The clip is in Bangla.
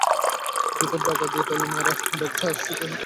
জুতোর ডগা দিয়ে ঠেলা মেরে ব্যাগটা সিটের তলায় ঢুকিয়ে দিলেন তিনি।